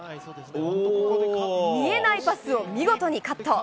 見えないパスを見事にカット。